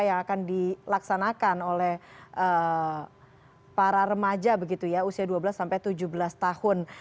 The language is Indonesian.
yang akan dilaksanakan oleh para remaja begitu ya usia dua belas sampai tujuh belas tahun